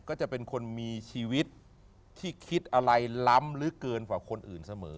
ก็จะเป็นคนมีชีวิตที่คิดอะไรล้ำลึกเกินกว่าคนอื่นเสมอ